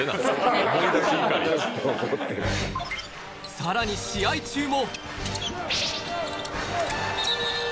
さらに試合中も。